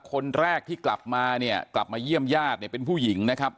คนแรกที่กลับมาเนี่ยกลับมาเยี่ยมญาติเนี่ยเป็นผู้หญิงนะครับ